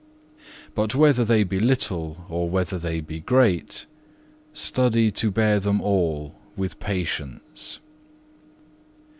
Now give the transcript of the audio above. But whether they be little or whether they be great, study to bear them all with patience.